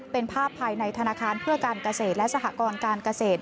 เป็นภาพภายในธนาคารเพื่อการเกษตรและสหกรการเกษตร